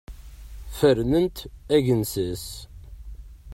Fernen-t d agensas.